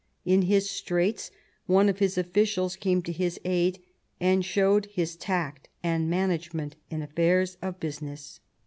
In his straits one of his officials came to his aid, and showed his tact and management in affairs of business.